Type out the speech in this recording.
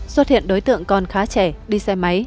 xuất hiện đối tượng còn khá trẻ đi xe máy